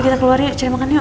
kita keluar yuk cari makan yuk